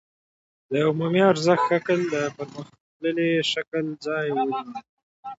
د عمومي ارزښت شکل د پرمختللي شکل ځای ونیو